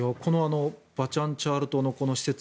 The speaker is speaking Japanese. バシャンチャール島のこの施設